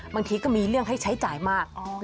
บางทีก็มีเรื่องให้ใช้จ่ายมาก